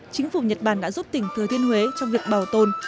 chính phủ nhật bản đã giúp tỉnh thừa thiên huế trong việc bảo tồn